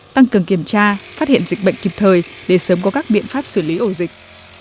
tăng cường kiểm tra phát hiện dịch bệnh kịp thời để sớm có các biện pháp xử lý ổ dịch